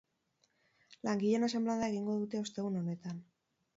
Langileen asanblada egingo dute ostegun honetan.